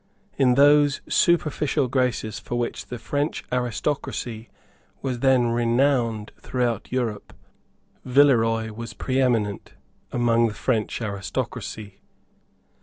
In those superficial graces for which the French aristocracy was then renowned throughout Europe, Villeroy was preeminent among the French aristocracy.